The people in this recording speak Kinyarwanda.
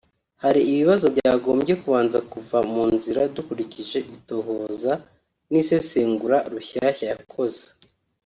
hari ibibazo byagombye kubanza kuva mu nzira dukurikije itohoza n’isesengura Rushyashya yakoze